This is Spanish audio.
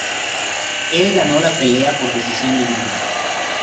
Él ganó la pelea por decisión dividida.